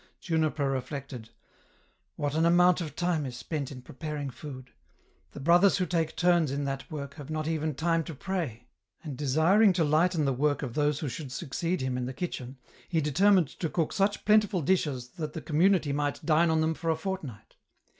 Juniper reflected, " What an amount of time is spent in preparing food ! The brothers who take turns in that work have not even time to pray "— and desiring to lighten the work of those who should succeed him in the kitchen, he determined to cook such plentiful dishes that the com munity might dine on them for a fortnight.